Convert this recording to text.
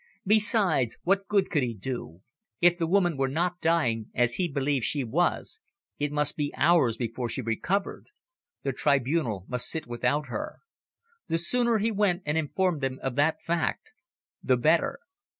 Besides, what good could he do? If the woman were not dying, as he believed she was, it must be hours before she recovered. The tribunal must sit without her. The sooner he went and informed them of that fact, the better.